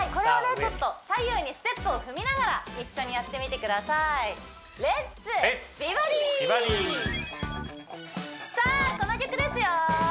ちょっと左右にステップを踏みながら一緒にやってみてくださいさあこの曲ですよ